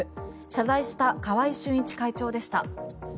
謝罪した川合俊一会長でした。